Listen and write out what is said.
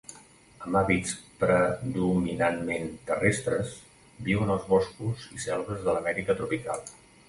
Amb hàbits predominantment terrestres, viuen als boscos i selves de l'Amèrica tropical.